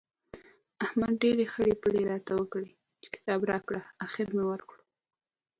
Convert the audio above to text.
احمد ډېرې خړۍ پړۍ راته وکړې چې کتاب راکړه؛ اخېر مې ورکړ.